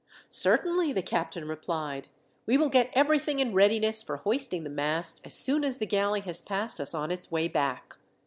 "Certainly," the captain replied. "We will get everything in readiness for hoisting the masts as soon as the galley has passed us on its way back.